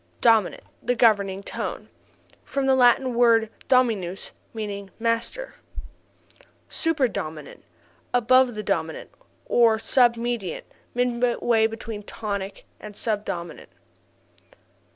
5. Dominant the governing tone. (From the Latin word dominus meaning master.) 6. Super dominant above the dominant. Or Sub mediant midway between tonic and sub dominant.